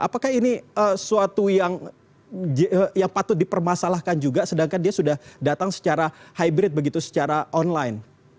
apakah ini suatu yang patut dipermasalahkan juga sedangkan dia sudah datang secara hybrid begitu secara online